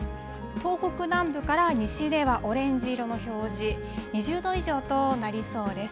東北南部から西ではオレンジ色の表示、２０度以上となりそうです。